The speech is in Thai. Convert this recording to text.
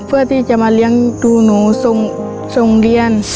เพื่อที่จะมาเลี้ยงดูหนูส่งเรียน